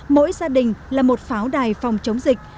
mỗi gia đình là một pháo đài phòng chống dịch